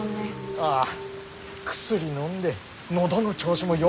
ああ薬のんで喉の調子もよ